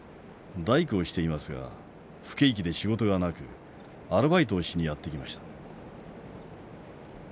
大工をしていますが不景気で仕事がなくアルバイトをしにやって来ました。